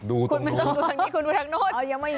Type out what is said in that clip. ดูตรงนี้คุณดูทางนู้น